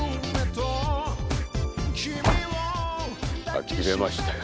あきれましたよ。